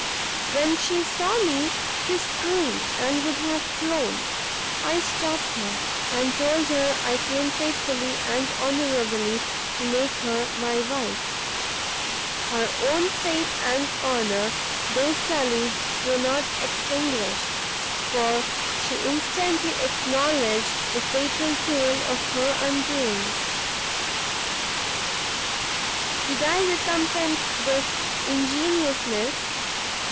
"When she saw me, she screamed and would have flown; I stopt her, and told her I came faithfully and honourably to make her my wife: her own faith and honour, though sullied, were not extinguished, for she instantly acknowledged the fatal tale of her undoing! "Did I recompense this ingenuousness?